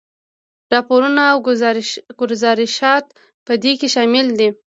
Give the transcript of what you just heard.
راپورونه او ګذارشات په دې کې شامل دي.